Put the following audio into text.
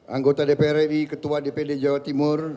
anggota dpr ri ketua dpd jawa timur